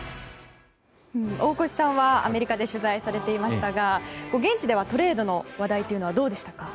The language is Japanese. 大越さんはアメリカで取材されていましたが現地ではトレードの話題というのはどうでしたか？